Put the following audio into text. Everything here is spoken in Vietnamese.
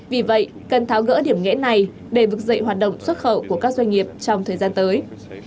vì vậy cần tháo gỡ điểm nghẽn này để vực dậy hoạt động xuất khẩu của các doanh nghiệp trong thời gian tới